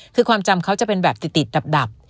คือความจำเขาจะเป็นแบบติดดับ